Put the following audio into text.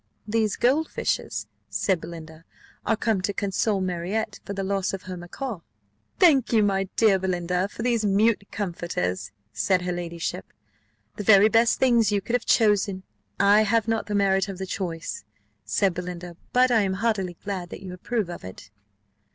"These gold fishes," said Belinda, "are come to console Marriott for the loss of her macaw." "Thank you, my dear Belinda, for these mute comforters," said her ladyship; "the very best things you could have chosen." "I have not the merit of the choice," said Belinda, "but I am heartily glad that you approve of it."